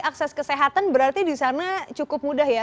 akses kesehatan berarti di sana cukup mudah ya